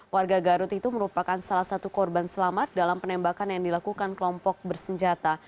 warga garut itu merupakan salah satu korban selamat dalam penembakan yang dilakukan kelompok bersenjata